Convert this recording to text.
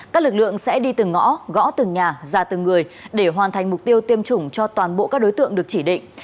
các lực lượng sẽ đi từng ngõ gõ từng nhà ra từng người để hoàn thành mục tiêu tiêm chủng cho toàn bộ các đối tượng được chỉ định